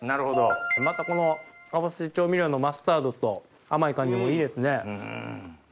またこの合わせ調味料のマスタードと甘い感じもいいですね。